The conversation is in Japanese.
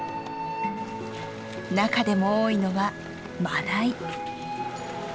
中でも多いのはマダイ。